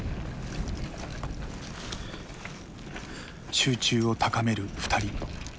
集中を高める２人。